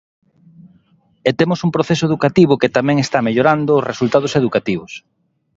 E temos un proceso educativo que tamén está mellorando os resultados educativos.